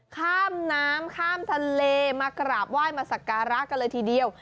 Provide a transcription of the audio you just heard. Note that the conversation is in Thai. ข้ามน้ำข้ามทะเลมากราบไหว้มาสักการะกันเลยทีเดียว